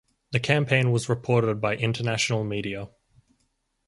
The campaign was reported by international media.